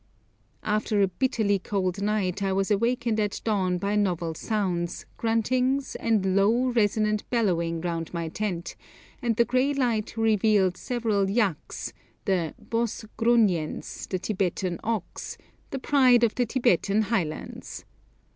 After a bitterly cold night I was awakened at dawn by novel sounds, gruntings, and low, resonant bellowing round my tent, and the grey light revealed several yaks (the Bos grunniens, the Tibetan ox), the pride of the Tibetan highlands.